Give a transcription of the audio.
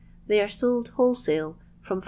They are sold, wholesale, from 5s.